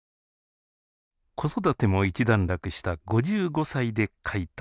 子育ても一段落した５５歳で書いた作品。